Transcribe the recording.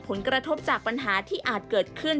ผลกระทบจากปัญหาที่อาจเกิดขึ้น